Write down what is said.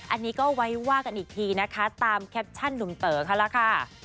อันนี้ก็ไว้ว่ากันอีกทีนะคะตามแคปชั่นหนุ่มเต๋อเขาแล้วค่ะ